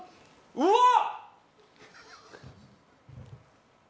うわっ！